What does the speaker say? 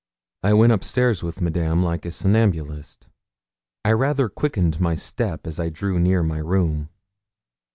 I went upstairs with Madame like a somnambulist. I rather quickened my step as I drew near my room.